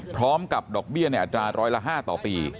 พร้อมกับดอกเบี้ยแหน่ดร้อยละห้าต่อปี